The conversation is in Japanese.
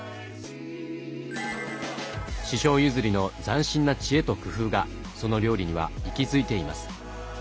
師匠譲りの斬新な知恵と工夫がその料理には息づいています。